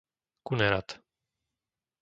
Kunerad